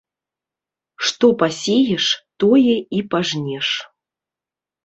Што пасееш, тое і пажнеш.